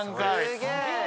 すげえわ！